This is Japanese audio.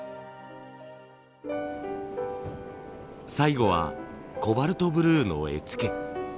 最後はコバルトブルーの絵付け。